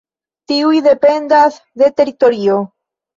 Tiuj dependas de teritorio.